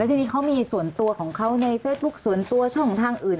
ทีนี้เขามีส่วนตัวของเขาในเฟซบุ๊คส่วนตัวช่องทางอื่น